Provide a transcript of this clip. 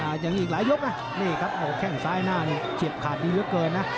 อ่าอย่างนี้อีกหลายยกนะนี่ครับโอ้แข้งซ้ายหน้านี่เฉียบขาดดีเยอะเกินนะ